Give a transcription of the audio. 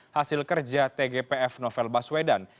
hasil kerja tgpf novel baswedan